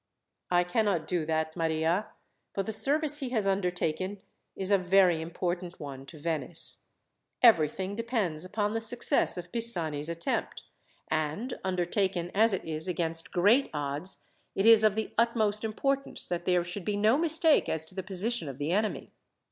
"I cannot do that, Maria; for the service he has undertaken is a very important one to Venice. Everything depends upon the success of Pisani's attempt, and undertaken, as it is, against great odds, it is of the utmost importance that there should be no mistake as to the position of the enemy.